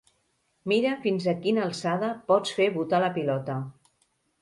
Mira fins a quina alçada pots fer botar la pilota